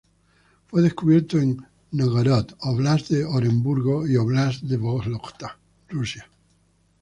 Fue descubierto en Novgorod, Óblast de Oremburgo y Óblast de Vólogda, Russia.